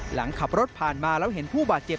หลังขับรถผ่านมาแล้วเห็นผู้บาดเจ็บ